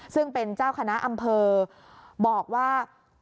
ซึ่งเป็นเจ้าคณะอำเภอบอกว่า